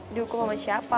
dihukum sama siapa